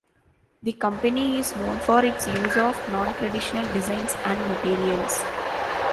The company is known for its use of non-traditional designs and materials.